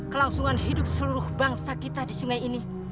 kelangsungan hidup seluruh bangsa kita di sungai ini